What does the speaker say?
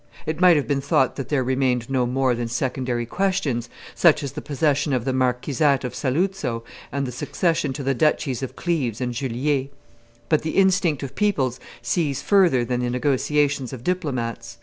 It might have been thought that there remained no more than secondary questions, such as the possession of the marquisate of Saluzzo and the succession to the duchies of C1eves and Juliers. But the instinct of peoples sees further than the negotiations of diplomats.